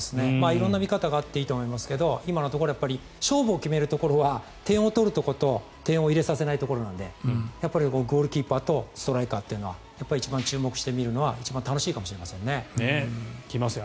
色んな見方があっていいと思いますが今のところ勝負を決めるところは点を取るところと点を入れさせないところなのでゴールキーパーとストライカーは一番注目して見るのは一番楽しいかもしれません。